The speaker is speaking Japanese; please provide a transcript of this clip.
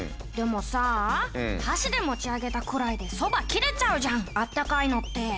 でもさ箸で持ち上げたくらいでそば切れちゃうじゃん温かいのって。